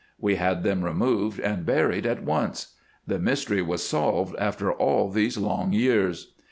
We had them removed and buried at once. The mystery was solved after all these long years.